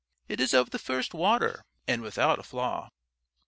"It is of the first water, and without a flaw."